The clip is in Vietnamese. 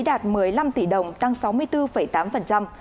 đạt một mươi năm tỷ đồng tăng sáu mươi bốn tám